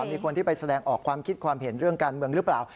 มีคนที่ไปแสดงออกความคิดความเห็นเรื่องการเมืองหรือเปล่า